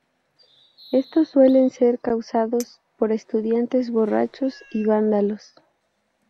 Estos suelen ser causados por estudiantes, borrachos y vándalos.